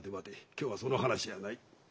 今日はその話やない。